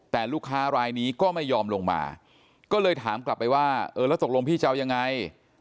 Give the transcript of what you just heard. แต่ลูกค้ารายนี้ก็ไม่ยอมลงมาก็เลยถามกลับไปว่าเออแล้วตกลงพี่จะเอายังไง